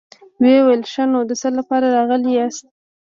ويې ويل: ښه نو، د څه له پاره راغلي ياست؟